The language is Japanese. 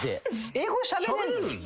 英語しゃべれる？